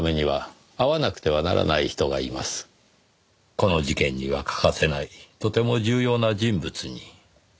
この事件には欠かせないとても重要な人物に。